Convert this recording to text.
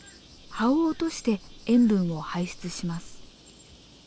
葉を落として塩分を排出します。